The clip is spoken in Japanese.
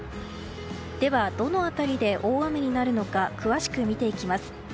では、どの辺りで大雨になるのか詳しく見ていきます。